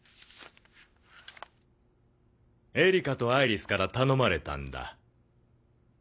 エリカとアイリスから頼まれたんだ。